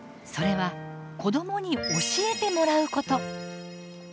それは子どもに教えてもらうこと。